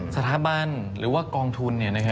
สถาบันหรือว่ากองทุน